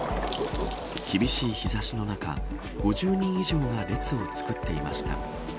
厳しい日差しの中５０人以上が列を作ってました。